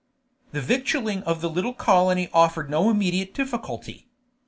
The victualing of the little colony offered no immediate difficulty.